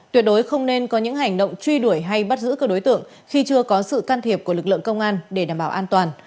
tuyệt đối không nên có những hành động truy đuổi hay bắt giữ các đối tượng khi chưa có sự can thiệp của lực lượng công an để đảm bảo an toàn